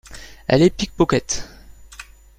Elle est pickpocket.